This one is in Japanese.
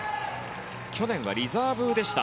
去年はリザーブでした。